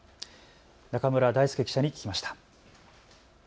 中村大祐記者に聞きました。